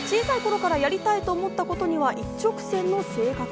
小さい頃からやりたいと思ったことには一直線の性格。